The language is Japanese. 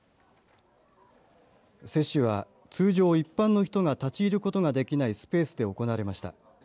接種は通常一般の人が立ち入ることができないスペースで行われました。